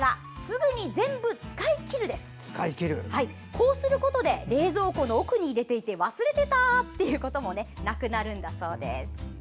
こうすることで冷蔵庫の奥に入れていて忘れていたっていうこともなくなるそうですよ。